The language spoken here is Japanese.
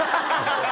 ハハハ